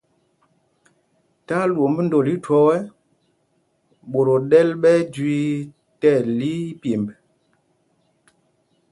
Tí alwomb ndol ithwɔɔ, ɓot o ɗɛl ɓɛ ɛjüü tí ɛli ipyemb.